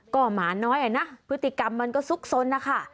ก็หมาน้อยอ่ะนะพฤติกรรมมันก็ซุกซนนะคะ